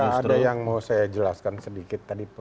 ada yang mau saya jelaskan sedikit tadi